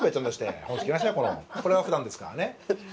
これがふだんですからね。